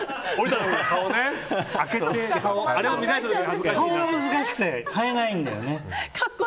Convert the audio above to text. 恥ずかしくて買えないんだよね。